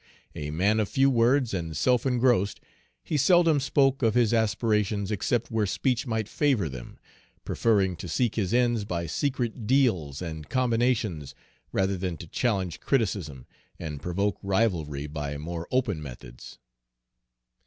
A man of few words and self engrossed, he seldom spoke of his aspirations except where speech might favor them, preferring to seek his ends by secret "deals" and combinations rather than to challenge criticism and provoke rivalry by more open methods.